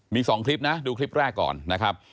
มี๒คลิปนะดูคลิปแรกก่อนนะครับ